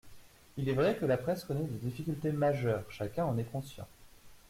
Il est vrai que la presse connaît des difficultés majeures, chacun en est conscient.